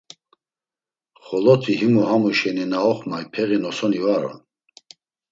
Xoloti himu hamu şeni na oxmay peği nosoni var on.